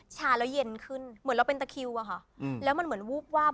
ชาแล้วเย็นขึ้นเหมือนเราเป็นตะคิวอะค่ะแล้วมันเหมือนวูบวาบ